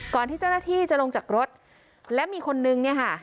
ก่อนที่เจ้าหน้าที่จะลงจากรถและมีคนนึงเนี่ยค่ะ